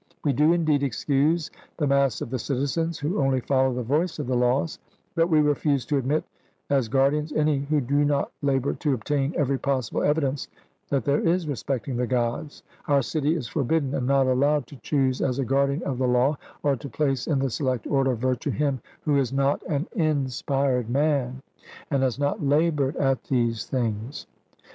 We do indeed excuse the mass of the citizens, who only follow the voice of the laws, but we refuse to admit as guardians any who do not labour to obtain every possible evidence that there is respecting the Gods; our city is forbidden and not allowed to choose as a guardian of the law, or to place in the select order of virtue, him who is not an inspired man, and has not laboured at these things.